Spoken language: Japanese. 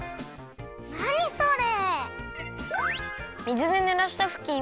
なにそれ？